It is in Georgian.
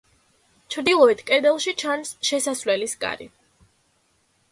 ჩრდილოეთ კედელში ჩანს შესასვლელის კარი.